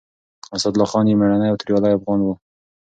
اسدالله خان يو مېړنی او توريالی افغان و.